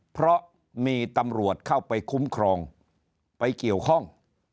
เพราะมีตำรวจเข้าไปคุ้มครองไปเกี่ยวข้อง